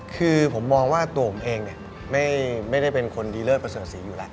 คือผมมองว่าตัวผมเองไม่ได้เป็นคนดีเลิศภาษาสีอยู่ละ